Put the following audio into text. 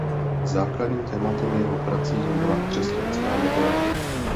Základním tématem jeho prací byla křesťanská mytologie.